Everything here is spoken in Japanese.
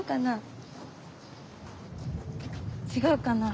違うかな？